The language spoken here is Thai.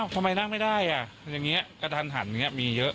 ทำไมนั่งไม่ได้อ่ะอย่างนี้กระทันหันอย่างนี้มีเยอะ